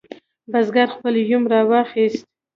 بزګر خپل یوم راواخست.